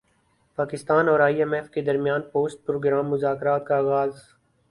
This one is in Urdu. پاکستان اور ائی ایم ایف کے درمیان پوسٹ پروگرام مذاکرات کا اغاز